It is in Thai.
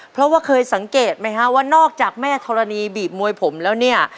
เพราะว่าเคยสังเกตไหมฮะว่านอกจากแม่ธรณีบีบมวยผมแล้วเนี่ย